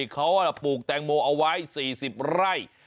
เขาปลูกแตงโมเอาไว้๔๐ไร่